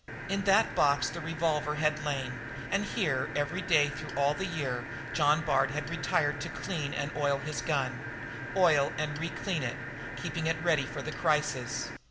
In that box the revolver had lain, and here every day through all the year, John Bard retired to clean and oil his gun, oil and reclean it, keeping it ready for the crisis.